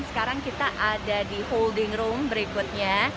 sekarang kita ada di holding room berikutnya